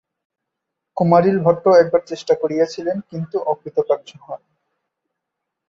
কুমারিলভট্ট একবার চেষ্টা করিয়াছিলেন, কিন্তু অকৃতকার্য হন।